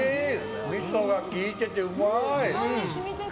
みそが効いててうまい！